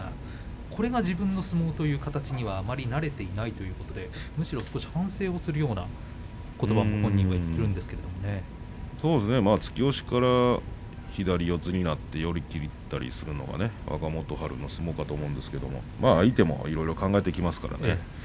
これが自分の相撲という形にはなれていないということでむしろ少し反省するようなことばも本人は突き押しから左四つになって寄り切ったりするのがね若元春の相撲かと思うんですけども相手もいろいろ考えてきますからね。